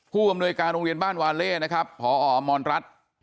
อำนวยการโรงเรียนบ้านวาเล่นะครับพออมรรัฐ